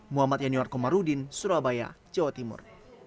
muhammad yanuar komarudin surabaya jawa timur